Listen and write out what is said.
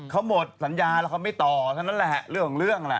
เขาหมดสัญญาไม่ต่อเรื่องก็แหละ